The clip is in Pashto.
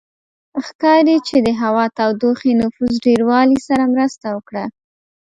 ښکاري چې د هوا تودوخې نفوس ډېروالي سره مرسته وکړه